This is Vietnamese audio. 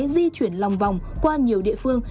di chuyển lòng vòng qua nhiều địa phương